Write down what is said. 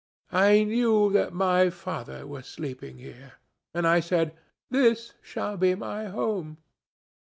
I knew that my father was sleeping here, and I said, 'This shall be my home.